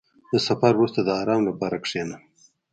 • د سفر وروسته، د آرام لپاره کښېنه.